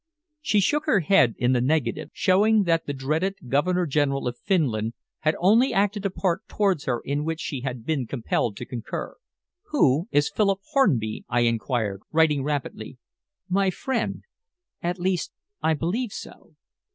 She shook her head in the negative, showing that the dreaded Governor General of Finland had only acted a part towards her in which she had been compelled to concur. "Who is Philip Hornby?" I inquired, writing rapidly. "My friend at least, I believe so."